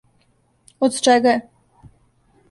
Од чега је?